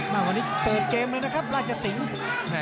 มาวันนี้เปิดเกมเลยนะครับราชสิงศ์